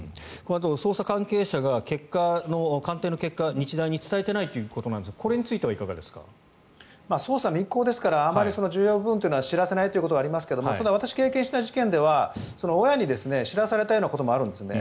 捜査関係者が鑑定の結果を日大に伝えていないということですが捜査は密行ですから重要分というのは知らせないこともありますが私が経験した事件では親に知らされたようなこともあるんですね。